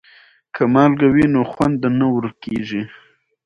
که مالګه وي نو خوند نه ورکیږي.